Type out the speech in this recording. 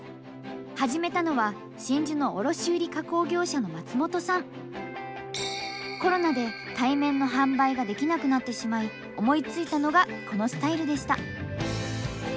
始めたのはコロナで対面の販売ができなくなってしまい思いついたのがこのスタイルでした。